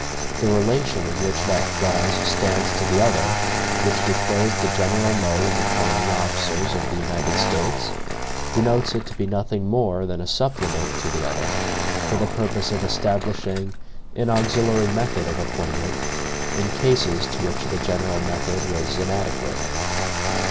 The relation in which that clause stands to the other, which declares the general mode of appointing officers of the United States, denotes it to be nothing more than a supplement to the other, for the purpose of establishing an auxiliary method of appointment, in cases to which the general method was inadequate.